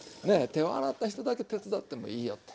手を洗った人だけ手伝ってもいいよって。